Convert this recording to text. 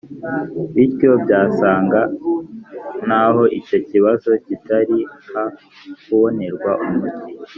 Bityo byasaga naho icyo kibazo kitari ha kubonerwa umuti